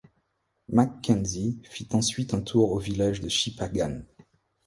MacKenzie fit ensuite un tour au village de Chipagan.